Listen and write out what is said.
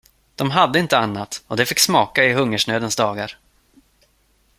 De hade inte annat, och det fick smaka i hungersnödens dagar.